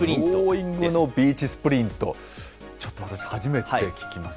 ローイングのビーチスプリント、ちょっと私、初めて聞きます